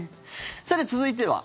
さて、続いては。